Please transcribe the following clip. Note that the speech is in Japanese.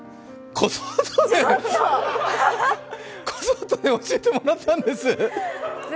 こそっと教えてもらったんです。